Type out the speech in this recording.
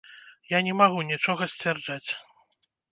Я не магу нічога сцвярджаць.